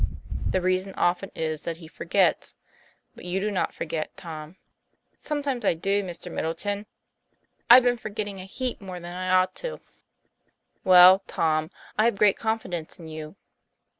The reason often is that he forgets. But you do not forget, Tom." "Sometimes I do, Mr. Middleton; I've been for getting a heap more than I ought to." 92 TOM PL A YFAIR. "Well, Tom, I have great confidence in you."